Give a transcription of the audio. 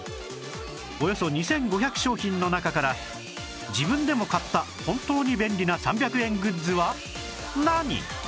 およそ２５００商品の中から自分でも買った本当に便利な３００円グッズは何？